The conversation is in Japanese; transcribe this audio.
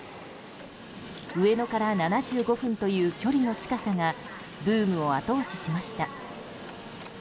上野から７５分という距離の近さがブームを後押ししました。